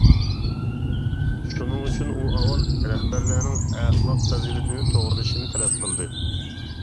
شۇنىڭ ئۈچۈن ئۇ ئاۋۋال رەھبەرلەرنىڭ ئەخلاق-پەزىلىتىنى توغرىلىشىنى تەلەپ قىلىدۇ.